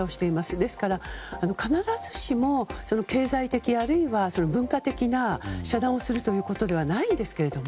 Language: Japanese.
ですから、必ずしも経済的あるいは文化的な遮断をするということではないんですけれども。